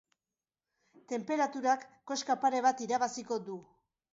Tenperaturak koska pare bat irabaziko du.